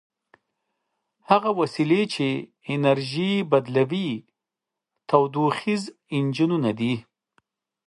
هغه وسیلې چې انرژي بدلوي تودوخیز انجنونه دي.